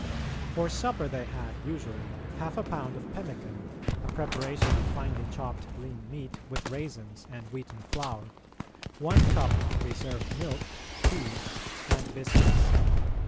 For supper they had usually, half a pound of pemmican (a preparation of finely chopped lean meat with raisins and wheaten flour), one cup of preserved milk, tea, and biscuits.